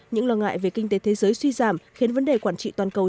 những lo ngại về kinh tế thế giới suy giảm khiến vấn đề quản trị toàn cầu